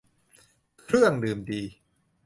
เครื่องดื่มดี